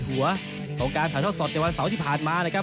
หัวของการถ่ายทอดสดในวันเสาร์ที่ผ่านมานะครับ